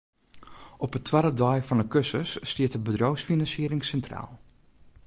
Op 'e twadde dei fan 'e kursus stiet de bedriuwsfinansiering sintraal.